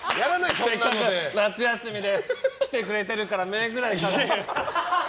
せっかく夏休みで来てくれてるから目ぐらい、嗅いで。